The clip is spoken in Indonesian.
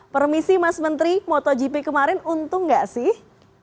permisi mas menteri motogp kemarin untung gak sih